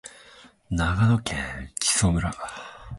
長野県木祖村